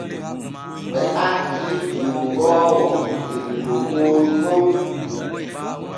Ɓe acci ƴoogogo der lokooru ɗon.